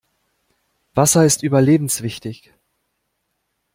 Wasser ist überlebenswichtig.